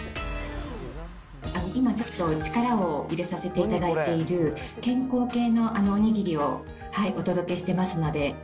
今、ちょっと、力を入れさせていただいている、健康系のおにぎりをお届けしてますので。